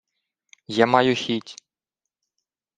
— Я маю хіть.